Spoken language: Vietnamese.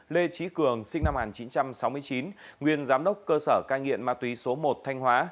lê trí cường sinh năm một nghìn chín trăm sáu mươi chín nguyên giám đốc cơ sở cai nghiện ma túy số một thanh hóa